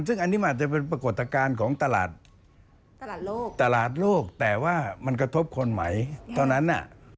ซึ่งอันนี้มันอาจจะเป็นปรากฏการณ์ของตลาดโลกตลาดโลกแต่ว่ามันกระทบคนใหม่เท่านั้น